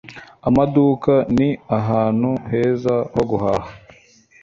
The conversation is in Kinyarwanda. Amaduka ni ahantu heza ho guhaha;